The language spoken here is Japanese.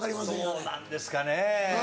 そうなんですかね。